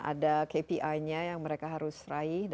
ada kpi nya yang mereka harus raih